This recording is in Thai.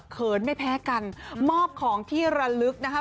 เขินไม่แพ้กันมอบของที่ระลึกนะคะ